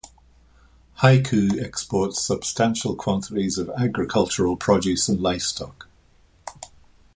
Haikou exports substantial quantities of agricultural produce and livestock.